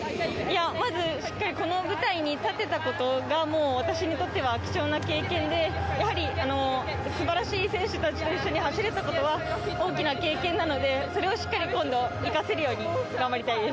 まずしっかりこの舞台に立てたことがもう私にとっては貴重な経験でやはり、素晴らしい選手たちと一緒に走れたことは大きな経験なのでそれをしっかり、今度は生かせるように頑張りたいです。